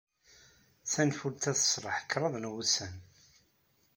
Tanfult-a teṣleḥ kraḍ n wussan.